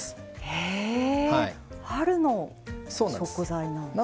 へ春の食材なんですね。